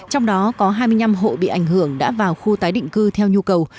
trong đó có hai mươi năm hộ bị ảnh hưởng đã vào khu tái định cư theo nhu cầu